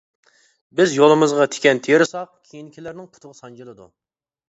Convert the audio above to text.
بىز يولىمىزغا تىكەن تېرىساق كېيىنكىلەرنىڭ پۇتىغا سانجىلىدۇ.